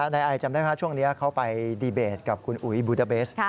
ในไอจำได้ไหมช่วงนี้เขาไปดีเบตกับคุณอุ๋ยบูดาเบส